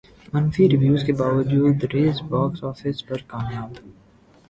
منفی ریویوز کے باوجود ریس باکس افس پر کامیاب